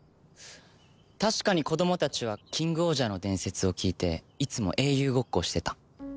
確かに子供たちはキングオージャーの伝説を聞いていつも英雄ごっこをしてた。